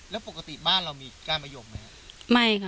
แล้วปกติบ้านเรามีการมะยมไหมครับ